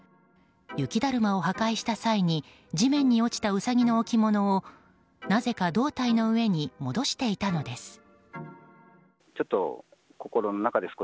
雪だるまを破壊した際に地面に落ちたウサギの置物をなぜか胴体の上に戻していたのです。